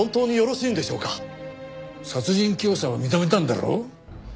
殺人教唆を認めたんだろう？